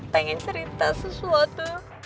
pengen cerita sesuatu